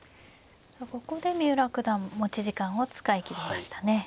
ここで三浦九段持ち時間を使い切りましたね。